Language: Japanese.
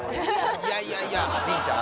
いやいやいやりんちゃん？